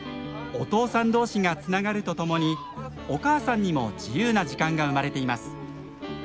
お父さん同士がつながるとともにお母さんにも自由な時間が生まれています。